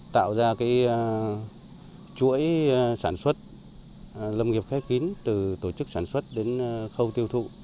tạo ra chuỗi sản xuất lâm nghiệp khép kín từ tổ chức sản xuất đến khâu tiêu thụ